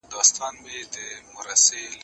زه مخکي د زده کړو تمرين کړی وو!؟